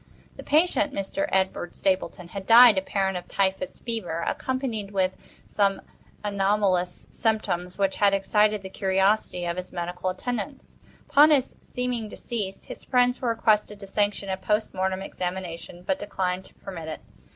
The patient, Mr. Edward Stapleton, had died, apparently of typhus fever, accompanied with some anomalous symptoms which had excited the curiosity of his medical attendants. Upon his seeming decease, his friends were requested to sanction a post mortem examination, but declined to permit it.